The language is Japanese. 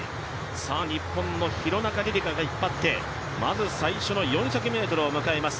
日本の廣中璃梨佳が引っ張ってまず最初の４００ｍを迎えます。